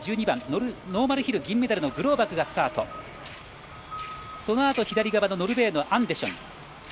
１２番ノーマルヒル銀メダルのグローバクがスタートしてノルウェーのアンデシェン。